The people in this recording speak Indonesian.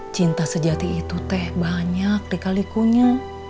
cinta sejati itu teh banyak dikalikunya